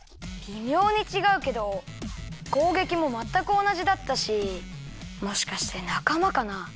びみょうにちがうけどこうげきもまったくおなじだったしもしかしてなかまかな？